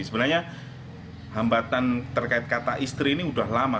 sebenarnya hambatan terkait kata istri ini sudah lama